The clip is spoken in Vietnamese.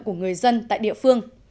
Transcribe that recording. của người dân tại địa phương